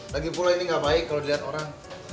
lagi pula ini gak baik kalau dilihat orang